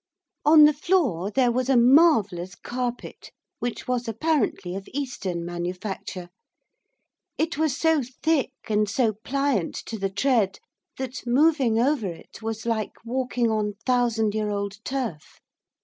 On the floor there was a marvellous carpet which was apparently of eastern manufacture. It was so thick, and so pliant to the tread, that moving over it was like walking on thousand year old turf.